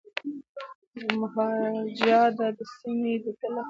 مهاراجا دا سیمي د تل لپاره غواړي.